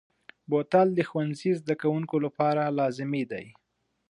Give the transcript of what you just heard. بوتل د ښوونځي زده کوونکو لپاره لازمي دی.